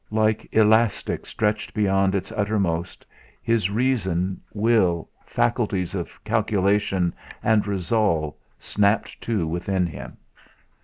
Like elastic stretched beyond its uttermost, his reason, will, faculties of calculation and resolve snapped to within him.